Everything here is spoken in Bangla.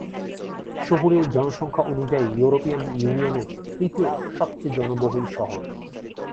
শহুরে জনসংখ্যা অনুযায়ী ইউরোপিয়ান ইউনিয়নের তৃতীয় সবচেয়ে জনবহুল শহর।